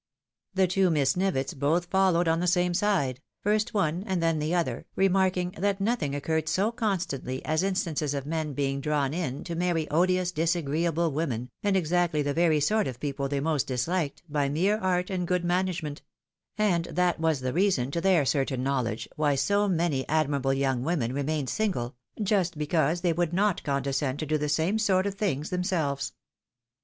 The two Miss Nivetts both followed on the same side, first 350 THE "WIDOW MAREIED. one, and then the other, remarking that nothing occurred so constantly as instances of men being drawn in to marry odious, disagreeable women, and exactly the very sort of people they most disliked, by mere art and good management ; and that ■was the reason, to their certain knowledge, why so many ad mirable young women remained single, just because they would not condescend to do the same sort of things themselves.